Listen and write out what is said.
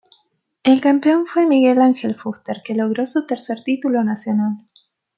El campeón fue Miguel Ángel Fuster que logró su tercer título nacional.